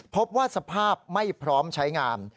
พบว่าสภาพไม่พร้อมใช้งาน